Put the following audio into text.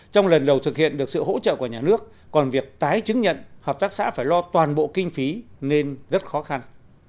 trong lần đầu thực hiện được sự hỗ trợ của nhà nước còn việc tái chứng nhận hợp tác xã phải lo toàn bộ kinh phí nên rất khó khăn